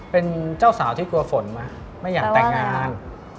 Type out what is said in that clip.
เป็นเจ้าสาวที่กลัวฝนไหมไม่อยากแต่งงาน